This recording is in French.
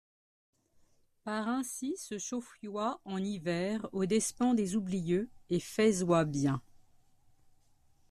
Par ainsy se chauffioyt en hyver aux despens des oublieux, et faisoyt bien.